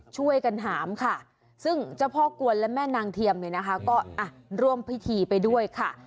ช่วยกันหามค่ะซึ่งเจ้าพ่อกวนและแม่นางเทียมเนี่ยนะคะก็ร่วมพิธีไปด้วยค่ะ